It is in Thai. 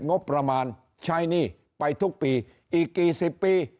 งบประมาณใช้หนี้ไปทุกปีอีกกี่สิบปี